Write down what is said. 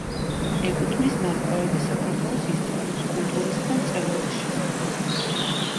ეკუთვნის ნარკვევები საქართველოს ისტორიის, კულტურისა და მწერლობის შესახებ.